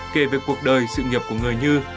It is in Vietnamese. kể về cuộc đời sự nghiệp của người như